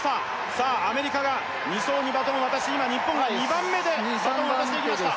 さあアメリカが２走にバトンを渡し今日本が２番目でバトンを渡していきました